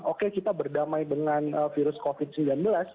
oke kita berdamai dengan virus covid sembilan belas